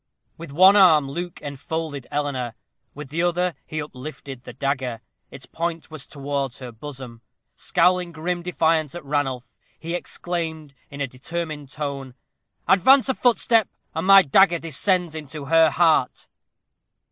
With one arm Luke enfolded Eleanor, with the other he uplifted the dagger. Its point was towards her bosom. Scowling grim defiance at Ranulph, he exclaimed, in a determined tone, "Advance a footstep, and my dagger descends into her heart."